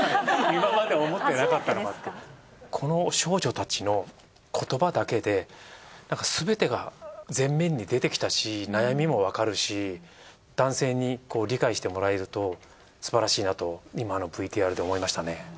この少女たちの言葉だけですべてが前面に出てきたし悩みもわかるし男性に理解してもらえるとすばらしいなと今のＶＴＲで思いましたね。